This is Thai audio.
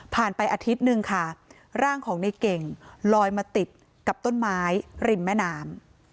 ไปอาทิตย์หนึ่งค่ะร่างของในเก่งลอยมาติดกับต้นไม้ริมแม่น้ำ